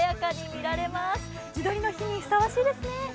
みどりの日にふさわしいですね！